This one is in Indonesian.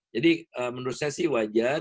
jadi menurut saya sih wajar